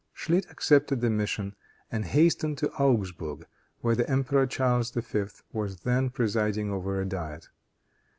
Schlit accepted the mission and hastened to Augsburg, where the Emperor Charles V. was then presiding over a diet.